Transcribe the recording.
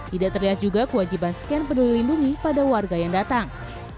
tidak terlihat juga kewajiban scan peduli lindungi pada warga yang datang